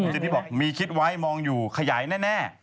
ทีนี้บอกมีคิดไว้มองอยู่ขยายแน่